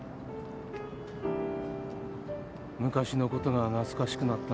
昔のことが懐かしくなったのかな。